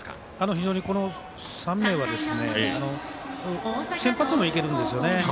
非常に、この３名は先発もいけるんですよね。